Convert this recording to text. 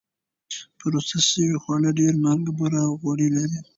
پروسس شوي خواړه ډېر مالګه، بوره او غوړي لري.